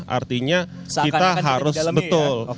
artinya kita harus betul